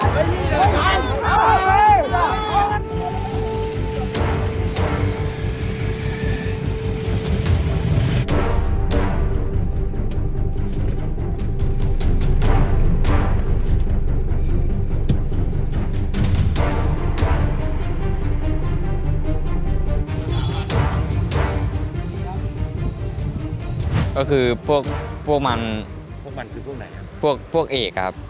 ก็คือพวกพวกมันพวกมันคือพวกไหนครับพวกเอกครับ